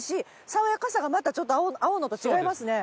爽やかさがまたちょっと青のと違いますね。